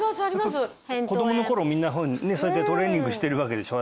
子供の頃みんなそうやってトレーニングしてるわけでしょ？